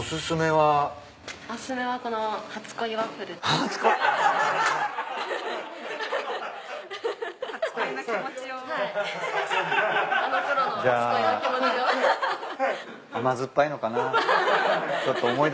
はい。